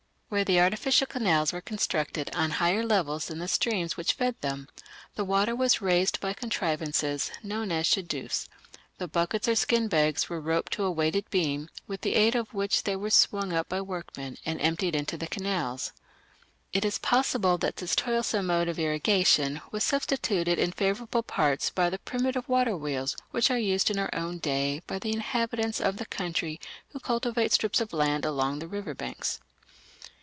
Where the artificial canals were constructed on higher levels than the streams which fed them, the water was raised by contrivances known as "shaddufs"; the buckets or skin bags were roped to a weighted beam, with the aid of which they were swung up by workmen and emptied into the canals. It is possible that this toilsome mode of irrigation was substituted in favourable parts by the primitive water wheels which are used in our own day by the inhabitants of the country who cultivate strips of land along the river banks.